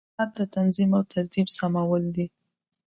• ساعت د نظم او ترتیب سمبول دی.